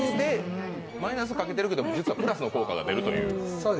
マイナスをかけてるけど実はプラスの効果が出てると。